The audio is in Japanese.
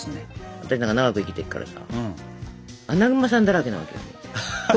私なんか長く生きてるからさアナグマさんだらけなわけよ。